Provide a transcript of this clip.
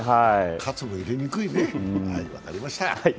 喝も入れにくいね、はい、分かりました。